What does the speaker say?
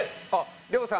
亮さんが？